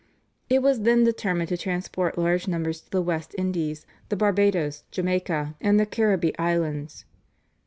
It was then determined to transport large numbers to the West Indies, the Barbadoes, Jamaica, and the Caribee Islands.